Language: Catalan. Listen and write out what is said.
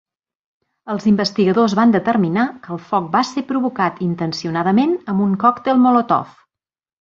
Els investigadors van determinar que el foc va ser provocat intencionadament amb un còctel Molotov.